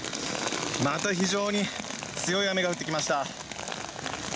また非常に強い雨が降ってきました。